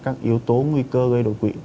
các yếu tố nguy cơ gây đột quỵ